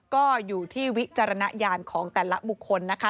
ก็อยู่ที่วิจารณญาณของแต่ละบุคคลนะคะ